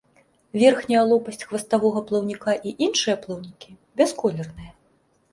Верхняя лопасць хваставога плаўніка і іншыя плаўнікі бясколерныя.